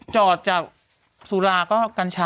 จอดจากสุราก็กัญชาต่อ